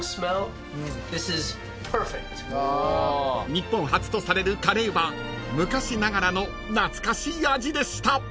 ［日本初とされるカレーは昔ながらの懐かしい味でした］